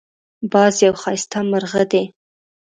باز یو ښایسته مرغه دی